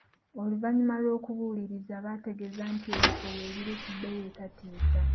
Oluvannyuma lw'okubuuliriza, bantegeeza nti ebifo weebiri ku bbeeyi etatiisa.